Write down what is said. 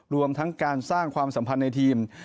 รวมทั้งการสร้างความสัมพันธ์ในทีม